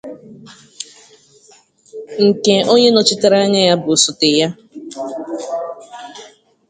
nke onye nọchitere anya bụ osote ya